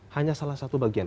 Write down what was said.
hanya salah satu bagian